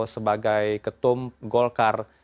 sebagai ketum golkar